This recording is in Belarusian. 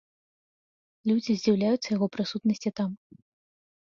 Людзі здзіўляюцца яго прысутнасці там.